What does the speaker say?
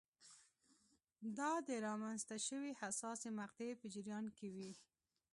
دا د رامنځته شوې حساسې مقطعې په جریان کې وې.